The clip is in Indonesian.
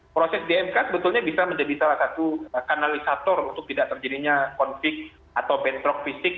proses di mk sebetulnya bisa menjadi salah satu kanalisator untuk tidak terjadinya konflik atau bentrok fisik